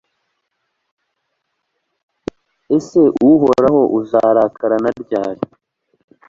mbese uhoraho, uzarakara na ryari